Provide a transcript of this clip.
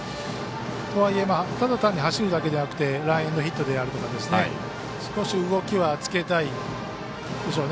とはいえ、ただ単に走るだけじゃなくてランエンドヒットであるとか少し動きはつけたいでしょうね。